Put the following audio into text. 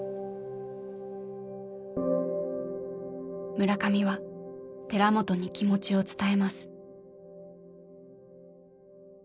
村上は寺本に気持ちを伝えます。